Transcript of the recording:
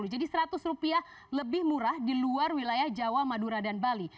jadi rp seratus lebih murah di luar wilayah jawa madura dan bali